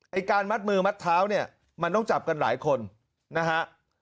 การมัดมือมัดเท้าเนี่ยมันต้องจับกันหลายคนนะฮะ